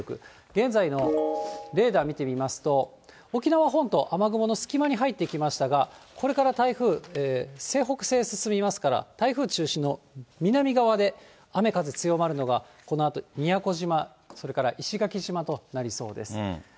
現在のレーダー見てみますと、沖縄本島、雨雲の隙間に入ってきましたが、これから台風、西北西へ進みますから、台風中心の南側で雨風強まるのが、このあと宮古島、それから石垣島となりそうです。